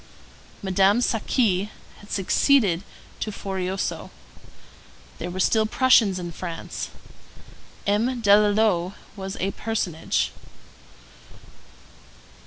Madame Saqui had succeeded to Forioso. There were still Prussians in France. M. Delalot was a personage.